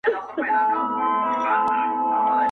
یار ته به پشان د خضر بادار اوږد عُمر نصیب کړي-